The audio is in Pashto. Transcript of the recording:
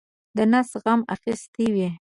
د نس غم اخیستی وي.